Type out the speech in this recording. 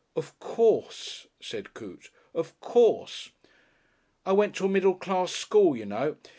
"Of course," said Coote, "of course." "I went to a middle class school, you know.